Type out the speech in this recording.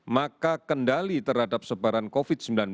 maka kendali terhadap sebaran covid sembilan belas